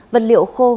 vật liệu khô